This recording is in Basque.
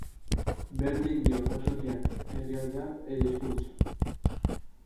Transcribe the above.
Berdin dio jatorriak, herrialdeak edo hizkunztak.